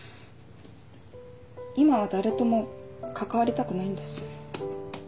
今は誰とも関わりたくないんです。